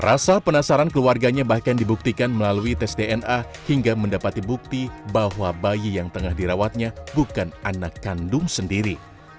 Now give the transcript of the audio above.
rasa penasaran keluarganya bahkan dibuktikan melalui tes dna hingga mendapati bukti bahwa bayi yang tengah dirawatnya bukan anak kandung sendiri